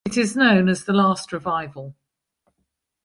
It is known as the Last Revival.